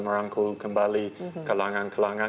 merangkul kembali kelangan kelangan